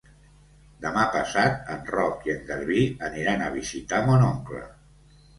Demà passat en Roc i en Garbí aniran a visitar mon oncle.